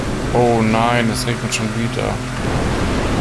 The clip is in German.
Oh, nein, es regnet schon wieder.